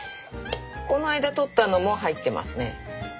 この間採ったのも入ってますね。